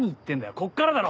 ここからだろ！